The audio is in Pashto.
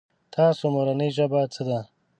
تاسو مورنۍ ژبه څه ده ؟